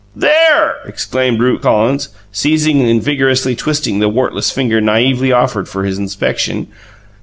"There!" exclaimed Rupe Collins, seizing and vigorously twisting the wartless finger naively offered for his inspection.